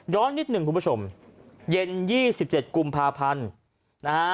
นิดหนึ่งคุณผู้ชมเย็น๒๗กุมภาพันธ์นะฮะ